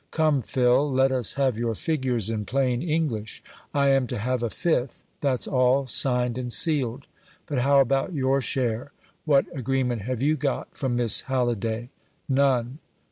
Come, Phil, let us have your figures in plain English. I am to have a fifth that's all signed and sealed. But how about your share? What agreement have you got from Miss Halliday?" "None."